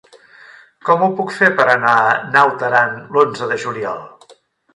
Com ho puc fer per anar a Naut Aran l'onze de juliol?